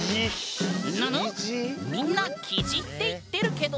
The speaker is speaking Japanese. ぬぬ⁉みんな「きじ」って言ってるけど。